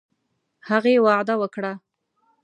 هغې وعده وکړه.